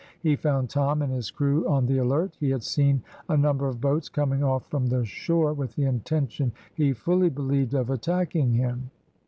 He found Tom and his crew on the alert; he had seen a number of boats coming off from the shore, with the intention, he fully believed, of attacking him.